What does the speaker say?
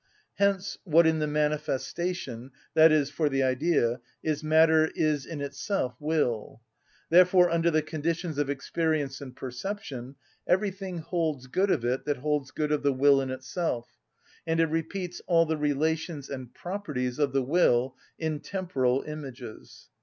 Hence what in the manifestation, i.e., for the idea, is matter is in itself will. Therefore, under the conditions of experience and perception, everything holds good of it that holds good of the will in itself, and it repeats all the relations and properties of the will in temporal images.